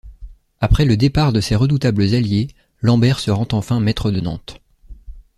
Après le départ de ses redoutables alliés, Lambert se rend enfin maitre de Nantes.